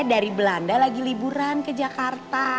dari belanda lagi liburan ke jakarta